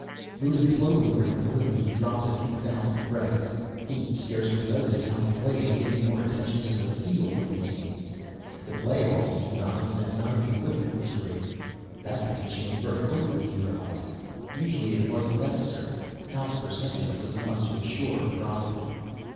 Moving slowly around the room he dropped a few thousand credits. He scarcely noticed how he played, giving more attention to the feel of the games. The play all seemed honest and none of the equipment was rigged. That could be changed very quickly, he realized. Usually it wasn't necessary, house percentage was enough to assure a profit.